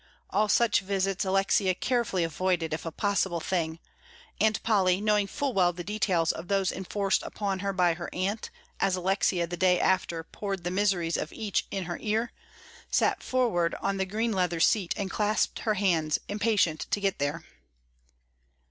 All such visits Alexia carefully avoided if a possible thing. And Polly, knowing full well the details of those enforced upon her by her aunt, as Alexia, the day after, poured the miseries of each in her ear, sat forward on the green leather seat and clasped her hands, impatient to get there.